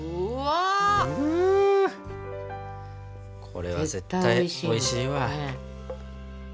これは絶対おいしいわ。